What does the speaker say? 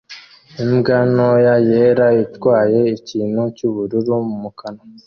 Imbwa ntoya yera itwaye ikintu cyubururu mu kanwa